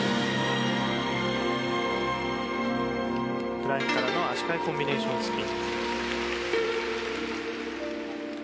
フライングからの足換えコンビネーションスピン。